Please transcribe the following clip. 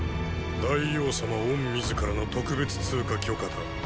大王様御自らの特別通過許可だ。